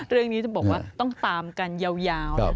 เรื่องนี้จะบอกว่าต้องตามกันยาว